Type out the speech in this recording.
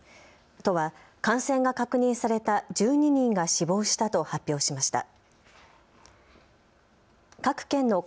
都は感染が確認された１２人が死亡したと発表しました。